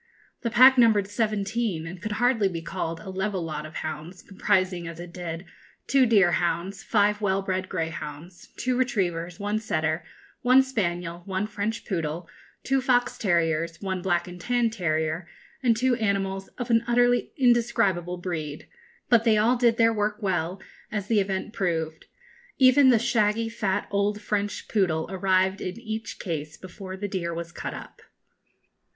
The pack numbered seventeen, and could hardly be called a level lot of hounds, comprising, as it did, two deerhounds, five well bred greyhounds, two retrievers, one setter, one spaniel, one French poodle, two fox terriers, one black and tan terrier, and two animals of an utterly indescribable breed; but they all did their work well, as the event proved. Even the shaggy fat old French poodle arrived in each case before the deer was cut up.